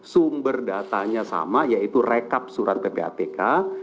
sumber datanya sama yaitu rekap surat ppatk